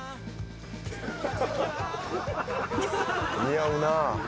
似合うなぁ。